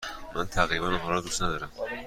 من تقریبا آنها را دوست ندارم.